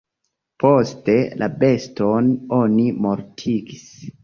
Poste la beston oni mortigis.